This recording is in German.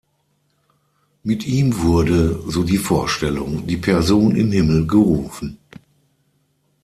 Mit ihm wurde, so die Vorstellung, die Person im Himmel gerufen.